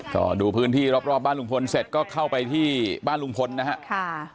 ก็ดูพื้นที่รอบบ้านลุงพลเสร็จก็เข้าไปที่บ้านลุงพลนะครับ